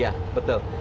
yang betul betul di